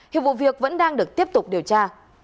hiệp vụ việc vẫn đang được tiếp tục điều tra